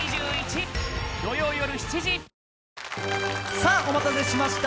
さあ、お待たせしました。